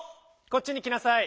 こっちにきなさい。